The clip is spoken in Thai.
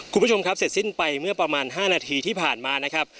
คุณผู้ชมครับเสร็จสิ้นไปเมื่อประมาณ๕นาทีที่ผ่านมานะครับ